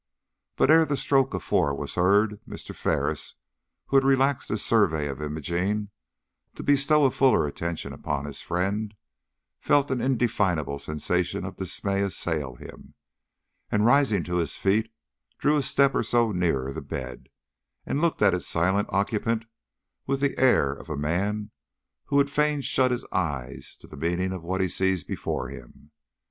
But ere the stroke of four was heard, Mr. Ferris, who had relaxed his survey of Imogene to bestow a fuller attention upon his friend, felt an indefinable sensation of dismay assail him, and rising to his feet, drew a step or so nearer the bed, and looked at its silent occupant with the air of a man who would fain shut his eyes to the meaning of what he sees before him.